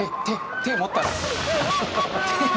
手持ったら。